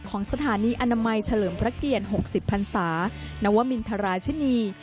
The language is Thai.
ของสถานีอนามัยเฉลิมพระเกียรติ๖๐พันศานวมินทราชินี